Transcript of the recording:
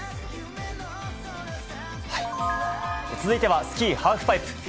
続いては、スキーハーフパイプ。